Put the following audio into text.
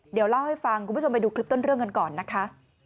เดี๋ยวเล่าให้ฟังคุณผู้ชมไปดูคลิปต้นเรื่องกันก่อนนะคะ